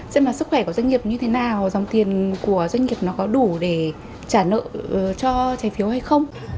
xem là sức khỏe của doanh nghiệp như thế nào dòng tiền của doanh nghiệp nó có đủ để trả nợ cho trái phiếu hay không